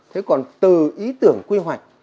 thế còn từ ý tưởng quy hoạch